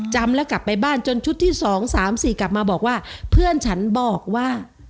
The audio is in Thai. จนชุดที่สองสามสี่กลับมาบอกว่าเพื่อนฉันบอกว่า